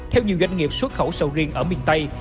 theo nhiều doanh nghiệp xuất khẩu sầu riêng ở miền tây